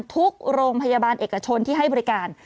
ทุกโรงพยาบาลเอกชนที่ให้บริการ